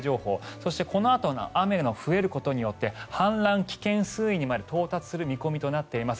そしてこのあと雨が増えることによって氾濫危険水位にまで到達する見込みとなっています。